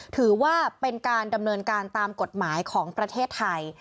ถือว่าเป็นการดำเนินการตามกฎหมายของประเทศไทย